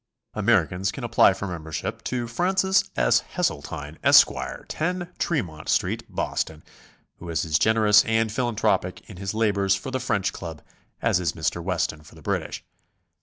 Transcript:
Americans can apply for membership to Francis S. Hesseltine, Esq., 10 Tremont St., Boston, who is as generous and philanthropic in his labors for the French Club as is Mr. Weston for the British.